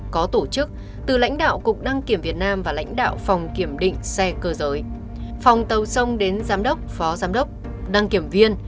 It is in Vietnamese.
có tổ chức từ lãnh đạo cục đăng kiểm việt nam và lãnh đạo phòng kiểm định xe cơ giới phòng tàu sông đến giám đốc phó giám đốc đăng kiểm viên